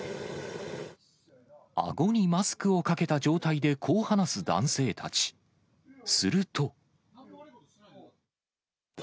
あごにマスクをかけた状態で、こう話す男性たち。